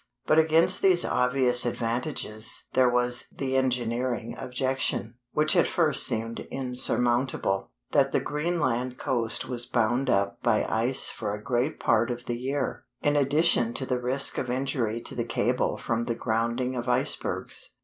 But against these obvious advantages there was the engineering objection which at first seemed insurmountable that the Greenland coast was bound up by ice for a great part of the year, in addition to the risk of injury to the cable from the grounding of icebergs.